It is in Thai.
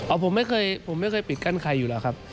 อ่ะผมไม่เคยปิดกั้นใครอยู่แล้วครับ